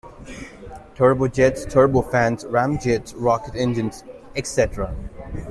turbojets, turbofans, ramjets, rocket engines, etc.